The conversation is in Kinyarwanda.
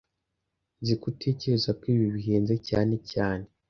Nzi ko utekereza ko ibi bihenze cyane cyane